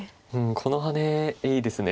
このハネいいですね。